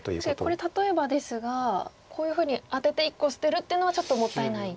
これ例えばですがこういうふうにアテて１個捨てるっていうのはちょっともったいない？